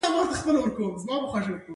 تر ډوډۍ وروسته به مېرمنو لاسونه پاکول.